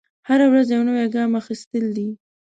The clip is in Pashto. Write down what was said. هره ورځ یو نوی ګام اخیستل دی.